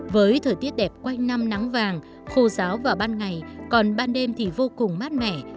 với thời tiết đẹp quanh năm nắng vàng khô giáo vào ban ngày còn ban đêm thì vô cùng mát mẻ